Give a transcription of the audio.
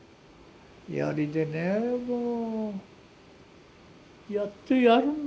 槍でねもうやってやるんだよね。